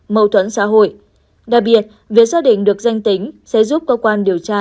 mâu thuẫn xã hội đặc biệt việc xác định được danh tính sẽ giúp cơ quan điều tra